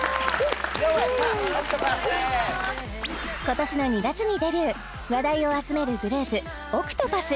今年の２月にデビュー話題を集めるグループ